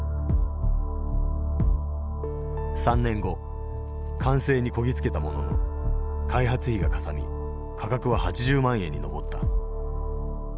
３年後完成にこぎ着けたものの開発費がかさみ価格は８０万円に上った。